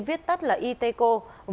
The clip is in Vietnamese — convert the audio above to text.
viết tắt là yteco